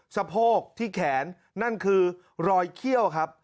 สะโพกที่แขนนั่นคือรอยเขี้ยวครับ